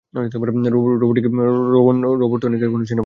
রোবটনিকের কোনো চিহ্ন পাইনি।